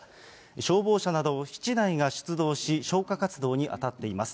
消防車など７台が出動し、消火活動に当たっています。